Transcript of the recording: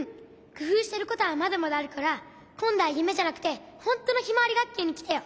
くふうしてることはまだまだあるからこんどはゆめじゃなくてほんとのひまわりがっきゅうにきてよ。